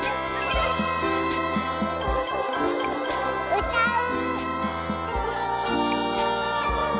うたう！